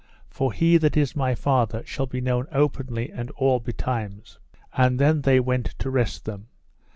for he that is my father shall be known openly and all betimes. And then they went to rest them.